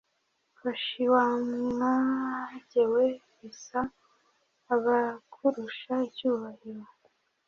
hoshi, wa mwage we, bisa abakurusha icyubahiro